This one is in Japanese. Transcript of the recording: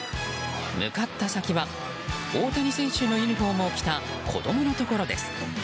向かった先は大谷選手のユニホームを着た子供のところです。